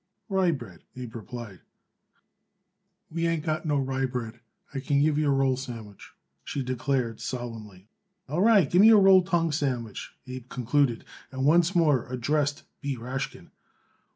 "Rye bread," Abe replied. "We ain't got no rye bread; I could give you a roll sandwich," she declared solemnly. "All right, give me a roll tongue sandwich," Abe concluded, and once more addressed B. Rashkin.